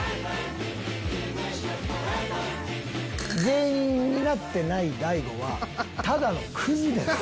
芸人になってない大悟はただのクズです！